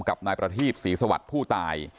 กับนายประทีปศรีสวัสดิ์ผู้ตาย